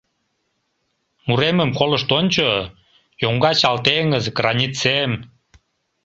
Муремым колышт ончо — Йоҥга чал теҥыз, гранит сем.